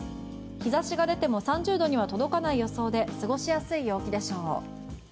日差しが出ても３０度には届かない予想で過ごしやすい陽気でしょう。